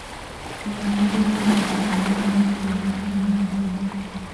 Por algún período desempeñó una capellanía militar.